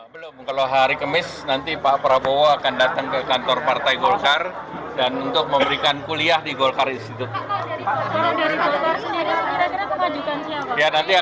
belum kalau hari kemis nanti pak prabowo akan datang ke kantor partai golkar dan untuk memberikan kuliah di golkar institute